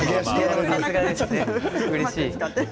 うれしい。